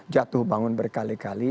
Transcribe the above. jatuh bangun berkali kali